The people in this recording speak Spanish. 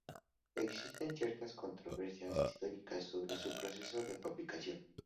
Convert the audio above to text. Existe cierta controversia histórica sobre su proceso de fabricación.